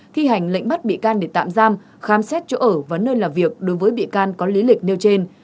thi hành lệnh bắt bị can để tạm giam khám xét chỗ ở và nơi làm việc đối với bị can có lý lịch nêu trên